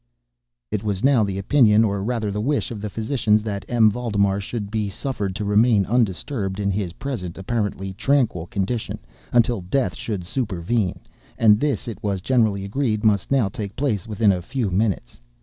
It was now the opinion, or rather the wish, of the physicians, that M. Valdemar should be suffered to remain undisturbed in his present apparently tranquil condition, until death should supervene—and this, it was generally agreed, must now take place within a few minutes.